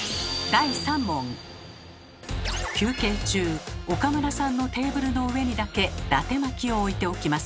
休憩中岡村さんのテーブルの上にだけだて巻きを置いておきます。